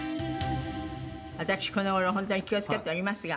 私この頃本当に気を付けておりますが。